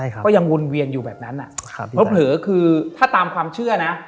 ข่าวเหอะคือถ้าตามความเชื่อนะ